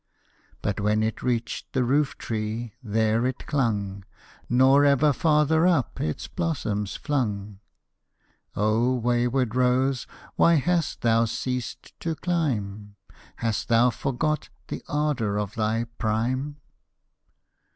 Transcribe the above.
But when it reached the roof tree, there it clung, Nor ever farther up its blossoms flung. O wayward rose, why hast thou ceased to climb? Hast thou forgot the ardor of thy prime?